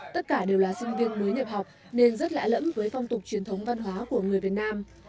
tất cả đều là sinh viên mới nhập học nên rất lạ lẫm với phong tục truyền thống văn hóa của người việt nam